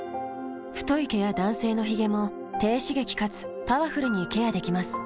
太い毛や男性のヒゲも低刺激かつパワフルにケアできます。